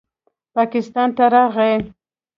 پاکستان ته راغے